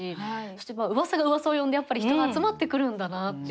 そしてうわさがうわさを呼んでやっぱり人が集まってくるんだなっていう驚きました。